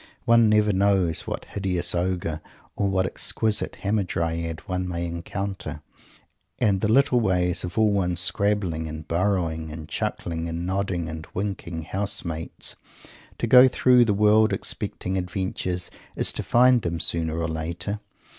One never knows what hideous ogre or what exquisite hamadryad one may encounter. And the little ways of all one's scrabbling and burrowing and chuckling and nodding and winking house mates! To go through the world expecting adventures is to find them sooner or later.